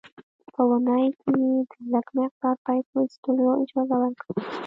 په اونۍ کې یې د لږ مقدار پیسو ایستلو اجازه ورکړه.